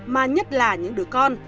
mà nhất là những đứa con